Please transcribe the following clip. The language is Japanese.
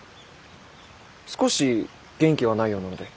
少し元気がないようなので。